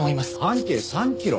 半径３キロ！？